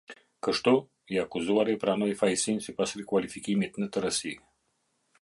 Kështu, i akuzuari e pranoi fajësinë sipas rikualifikimit në tërësi.